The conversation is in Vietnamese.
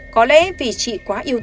có lẽ vì chị quá yêu thương